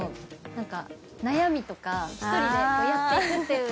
なんか悩みとか一人でやっていくっていう。